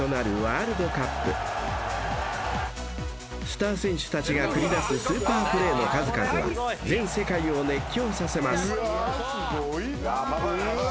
［スター選手たちが繰り出すスーパープレーの数々は全世界を熱狂させます］